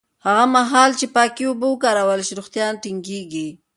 هغه مهال چې پاکې اوبه وکارول شي، روغتیا ټینګېږي.